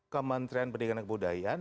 kementerian pendidikan dan kebudayaan